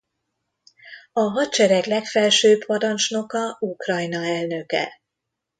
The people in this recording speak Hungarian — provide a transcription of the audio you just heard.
A hadsereg legfelsőbb parancsnoka Ukrajna elnöke.